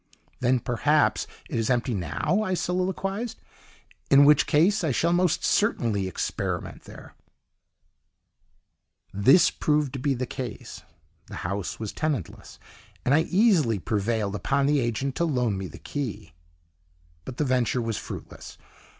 "Then, perhaps, it is empty now?" I soliloquised, "in which case I shall most certainly experiment there." This proved to be the case; the house was tenantless, and I easily prevailed upon the agent to loan me the key. But the venture was fruitless.